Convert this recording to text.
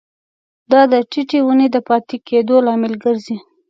دا د ټیټې ونې د پاتې کیدو لامل ګرځي.